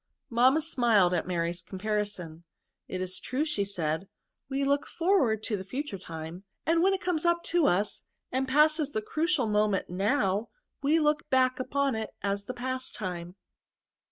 Mamma smiled at Mary's comparison. It is true," said she, " we look forward to the future time, and when it comes up to us, and passes the critical moment noWy we look back upon it as the past time."